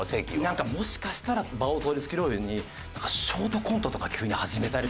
なんかもしかしたら場を取り繕うようにショートコントとか急に始めたり。